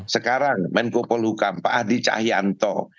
sekarang menko polhukam pak adi cahyanto